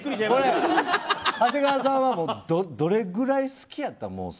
長谷川さんはどれくらい好きやった。